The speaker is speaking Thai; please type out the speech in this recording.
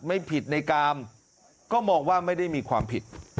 ไม่ผิดในกามก็มองว่าไม่ได้มีความผิด